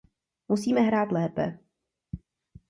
Musíme hrát lépe.